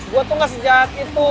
gue tuh gak sejak itu